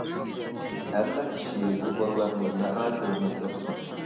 ھەممە كىشى بۇ بالىلارنى ناھايىتى ھۆرمەتلەپتۇ.